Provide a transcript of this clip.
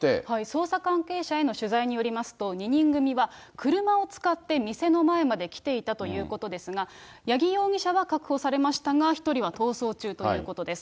捜査関係者への取材によりますと、２人組は車を使って店の前まで来ていたということですが、八木容疑者は確保されましたが、１人は逃走中ということです。